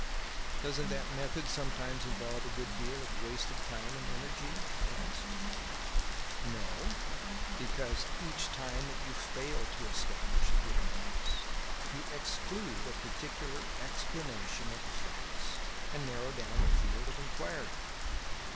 "Doesn't that method sometimes involve a good deal of wasted time and energy?" I asked. "No; because each time that you fail to establish a given case, you exclude a particular explanation of the facts and narrow down the field of inquiry.